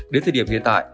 đến thời điểm hiện tại